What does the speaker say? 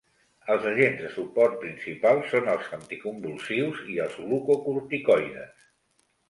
Els agents de suport principals són els anticonvulsius i els glucocorticoides.